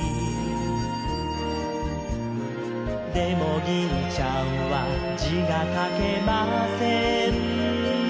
「でも銀ちゃんは字が書けません」